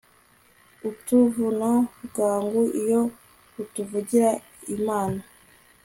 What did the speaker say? utuvuna bwangu iyo utuvugira, imana